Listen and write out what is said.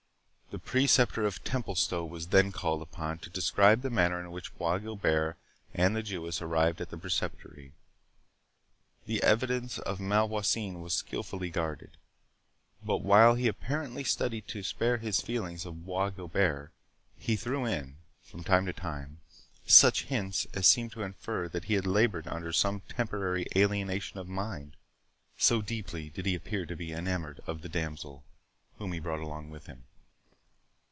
The Preceptor of Templestowe was then called on to describe the manner in which Bois Guilbert and the Jewess arrived at the Preceptory. The evidence of Malvoisin was skilfully guarded. But while he apparently studied to spare the feelings of Bois Guilbert, he threw in, from time to time, such hints, as seemed to infer that he laboured under some temporary alienation of mind, so deeply did he appear to be enamoured of the damsel whom he brought along with him.